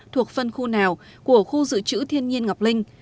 thuộc phân khu nào của khu dự trữ thiên nhiên ngọc linh